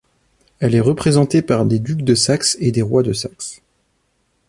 Elle est représentée par des ducs de Saxe et des rois de Saxe.